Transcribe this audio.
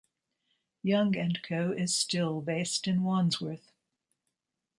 Young and Co is still based in Wandsworth.